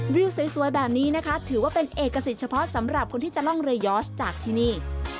วิวสวยแบบนี้นะคะถือว่าเป็นเอกสิทธิ์เฉพาะสำหรับคนที่จะล่องเรือยอสจากที่นี่